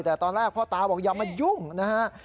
แต่ตอนแรกพ่อตาบอกอย่ามายุ่งนะฮะ